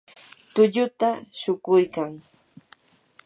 tulluta shuquykan.